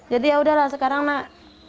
jadi yaudah lah sekarang nak